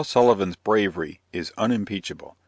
Sullivan's bravery is unimpeachable.